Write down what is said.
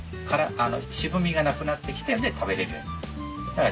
渋みがなくなってきてで食べれるようになる。